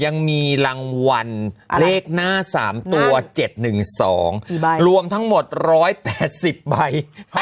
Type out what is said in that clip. ยังมีรางวัลเลขหน้า๓ตัว๗๑๒รวมทั้งหมด๑๘๐ใบ